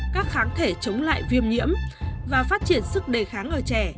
các kháng thể chống lại viêm nhiễm và phát triển sức đề kháng ở trẻ